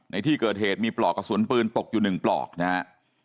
ในที่เกิดเหตุมีปลอกกระสุนปืนตกอยู่๑ปลอกนะฮะ